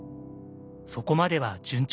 そこまでは順調だった。